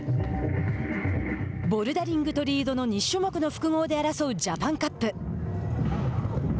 ボルダリングとリードの２種目の複合で争うジャパンカップ。